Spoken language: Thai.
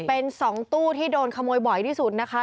เป็น๒ตู้ที่โดนขโมยบ่อยที่สุดนะคะ